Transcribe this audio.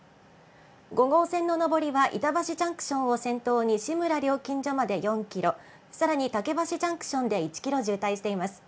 ５号線の上りは、板橋ジャンクションを先頭に志村料金所まで４キロ、さらに竹橋ジャンクションで１キロ渋滞しています。